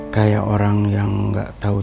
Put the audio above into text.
kayak orang yang nggak tahu